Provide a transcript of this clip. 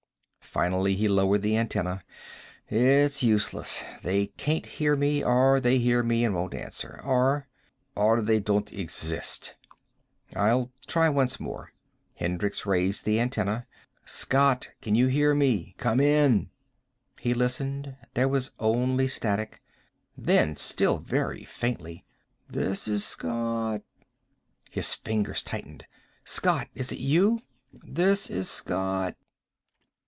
Finally he lowered the antenna. "It's useless. They can't hear me. Or they hear me and won't answer. Or " "Or they don't exist." "I'll try once more." Hendricks raised the antenna. "Scott, can you hear me? Come in!" He listened. There was only static. Then, still very faintly "This is Scott." His fingers tightened. "Scott! Is it you?" "This is Scott."